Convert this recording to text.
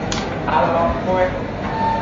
Alokwe.